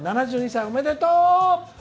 ７１歳おめでとう！